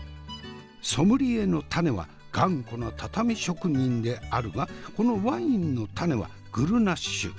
ソムリエの種は頑固な畳職人であるがこのワインの種はグルナッシュ。